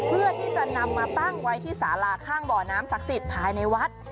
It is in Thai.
เพื่อที่จะนำมาตั้งไว้ที่สาราข้างบ่อน้ำศักดิ์สิทธิ์ภายในวัด